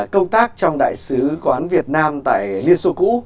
công tác trong đại sứ quán việt nam tại liên xô cũ